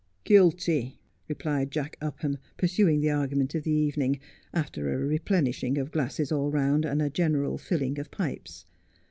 ' Guilty,' replied Jack Upham, pursuing the argument of the evening, after a replenishing of glasses all round, and a general filling of pipes.